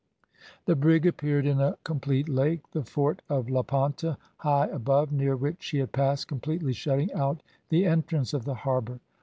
The brig appeared in a complete lake, the fort of La Ponta high above, near which she had passed, completely shutting out the entrance of the harbour.